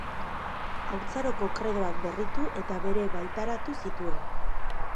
Haurtzaroko kredoak berritu eta bere baitaratu zituen.